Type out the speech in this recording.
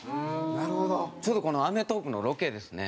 ちょうどこの『アメトーーク』のロケですね。